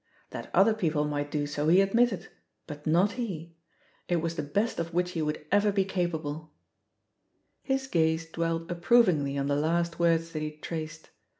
That other people might do so he admitted, but not he — ^it was the best of which he would ever be capable I His gaze dwelt approvingly on the last words that he had traced.